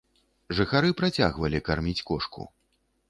Жыхары працягвалі карміць кошку.